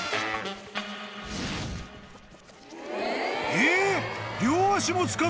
［えっ！